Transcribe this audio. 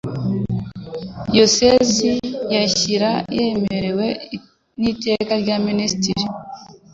Diyoseze ya Shyira yemewe n Iteka rya Minisitiri